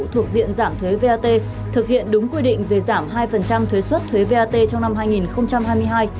thuộc diện giảm thuế vat thực hiện đúng quy định về giảm hai thuế xuất thuế vat trong năm hai nghìn hai mươi hai